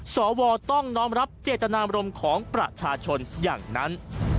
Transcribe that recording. สวต้องน้อมรับเจตนามรมของประชาชนอย่างนั้น